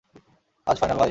আজ ফাইনাল, ভাই।